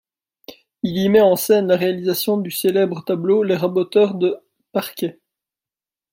Il y met en scène la réalisation du célèbre tableau Les Raboteurs de parquet.